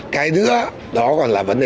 cái nữa đó còn là vấn đề